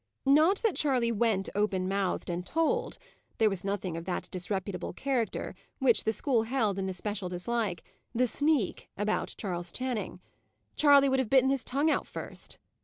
Not that Charley went, open mouthed, and told; there was nothing of that disreputable character which the school held in especial dislike the sneak, about Charles Channing. Charley would have bitten his tongue out first.